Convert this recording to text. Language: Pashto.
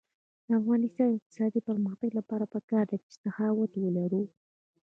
د افغانستان د اقتصادي پرمختګ لپاره پکار ده چې سخاوت ولرو.